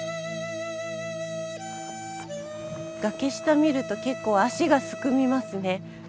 崖下見ると結構足がすくみますね。